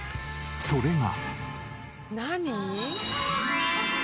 それが。